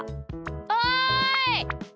おい！